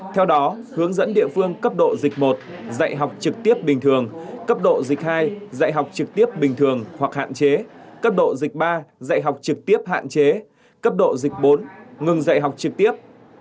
theo đó hướng dẫn địa phương cấp độ dịch một dạy học trực tiếp bình thường cấp độ dịch hai dạy học trực tiếp bình thường hoặc hạn chế cấp độ dịch ba dạy học trực tiếp hạn chế cấp độ dịch bốn ngừng dạy học trực tiếp